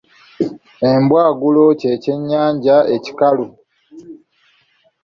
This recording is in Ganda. Embwagulo kye kyennyanja ekikalu.